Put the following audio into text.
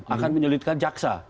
akan menyulitkan jaksa